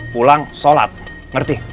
pulang sholat ngerti